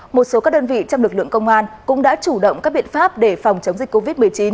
một số các đơn vị trong lực lượng công an cũng đã chủ động các biện pháp để phòng chống dịch covid một mươi chín